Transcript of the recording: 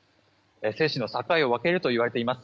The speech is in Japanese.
生死の境を分けるといわれています